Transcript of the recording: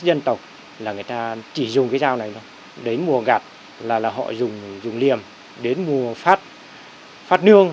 dân tộc là người ta chỉ dùng cái dao này đến mùa gạt là là họ dùng dùng liềm đến mùa phát phát nương